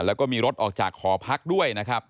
แล้วก็มีรถออกจากหอพักด้วยนะครับ